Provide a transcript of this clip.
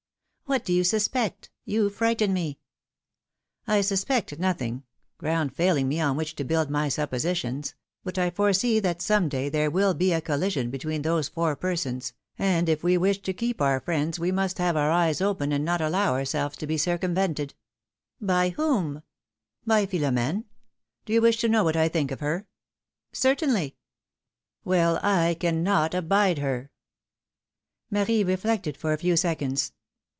" What do you suspect? You frighten me." "I suspect nothing — ground failing me on which to build my suppositions — but I foresee that some day there 13 202 philomMe's makriages. will be a collision between those four persons, and if we wish to keep our friends, we must have our eyes open and not allow ourselves to be circumvented/^ ''By whom?^^ " By Philomene. Do you wish to know what I think of her?'^ " Certainly ! "Well, I cannot abide her Marie reflected for a few seconds.